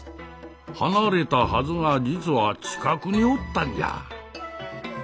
離れたはずが実は近くにおったんじゃ。